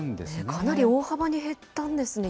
かなり大幅に減ったんですね。